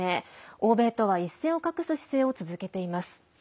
欧米とは、一線を画す姿勢を続けています。